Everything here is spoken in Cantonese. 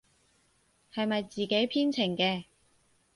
係咪自己編程嘅？